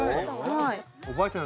おばあちゃん